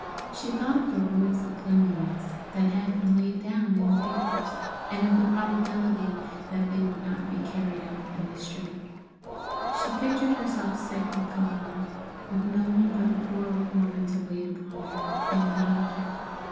She thought of the rules of cleanliness that had been laid down in the papers, and of the probability that they would not be carried out in this street. She pictured herself sick with cholera, with no one but the poor old woman to wait upon her, and no doctor.